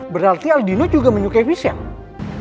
berarti aldino juga menyukai vision